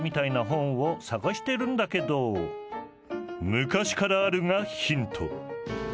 「昔からある」がヒント。